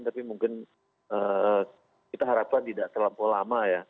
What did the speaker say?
tapi mungkin kita harapkan tidak terlampau lama ya